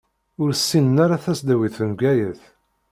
Ur ssinen ara tasdawit n Bgayet.